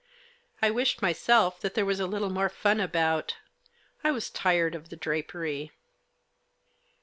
I wished myself that there was a little more fun about. I was tired of the drapery.